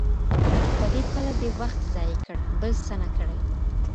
په دې پله دي وخت ضایع کړ بل څه نه کړې